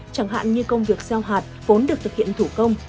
chẳng hạn như công việc gieo hạt vốn được thực hiện thủ công